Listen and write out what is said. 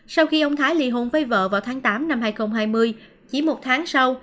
sau khi ông thái ly hôn với vợ vào tháng tám năm hai nghìn hai mươi chỉ một tháng sau